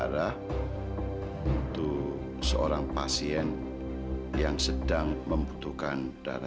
lakukan secepatnya dok